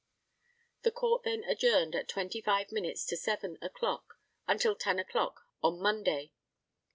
The court then adjourned at twenty five minutes to seven o'clock until ten o'clock on Monday.